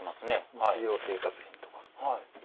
日用生活品とか。